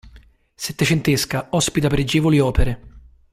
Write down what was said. Settecentesca, ospita pregevoli opere.